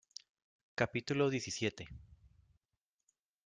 capítulo diecisiete.